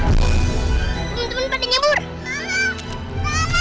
tolong teman putri